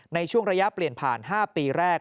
ในช่วงระยะเปลี่ยนผ่าน๕ปีแรก